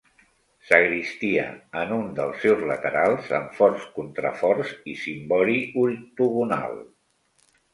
Sagristia, en un dels seus laterals, amb forts contraforts i cimbori octogonal.